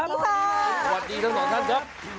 สวัสดีทั้งสองท่านครับ